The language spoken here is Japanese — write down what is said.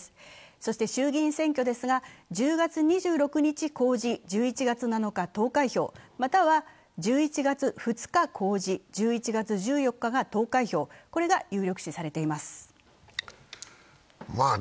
そして衆議院選挙ですが１０月２６日公示、１１月７日投開票、または１１月２日公示、１１月１４日が投開票、これが有力視されています。